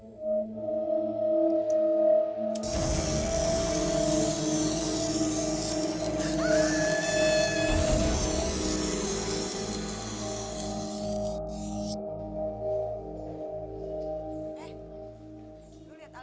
ya udah deh